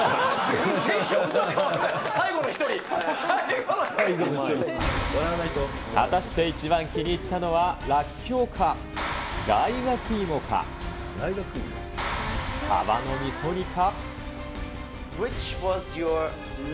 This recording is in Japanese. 全然表情が変わらない最後の果たして一番気に入ったのは、らっきょうか、大学芋か、さばのみそ煮か。